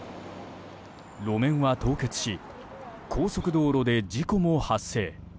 路面は凍結し高速道路で事故も発生。